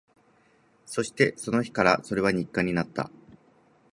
そして、その日からそれは日課になった